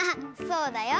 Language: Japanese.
そうだよ。